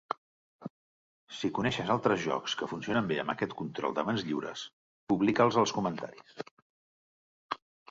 Si coneixes altres jocs que funcionen bé amb aquest control de mans lliures, publica'ls als comentaris.